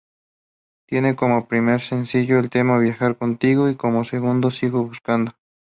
Tiene como primer sencillo el tema "Viajar contigo" y como segundo "Sigo buscando".